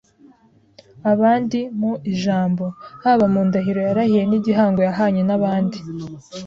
abandi mu ijambo, haba mu ndahiro yarahiye n’igihango yahanye n’abandi.